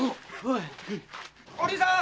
お凛さん！